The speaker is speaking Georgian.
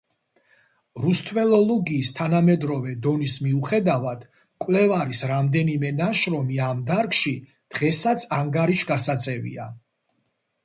რუსთველოლოგიის თანამედროვე დონის მიუხედავად, მკვლევარის რამდენიმე ნაშრომი ამ დარგში, დრესაც ანგარიშგასაწევია.